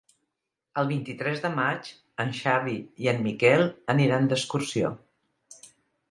El vint-i-tres de maig en Xavi i en Miquel aniran d'excursió.